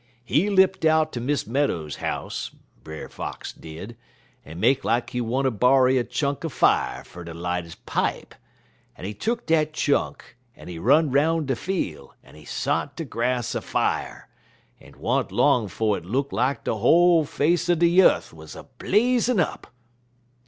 He lipt out ter Miss Meadows house, Brer Fox did, en make like he wanter borry a chunk er fier fer ter light he pipe, en he tuck dat chunk, en he run 'roun' de fiel', en he sot de grass a fier, en't wa'n't long 'fo' it look lak de whole face er de yeth waz a blazin' up."